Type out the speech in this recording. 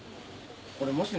これもし。